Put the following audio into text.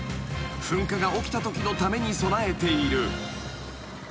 ［噴火が起きたときのために備えている］